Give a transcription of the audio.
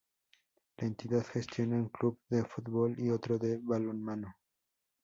La entidad gestiona un club de fútbol y otro de balonmano.